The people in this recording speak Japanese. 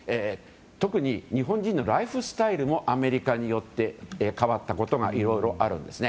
特に日本人のライフスタイルもアメリカによって変わったことがいろいろあるんです。